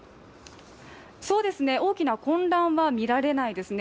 そうですね、大きな混乱は見られないですね。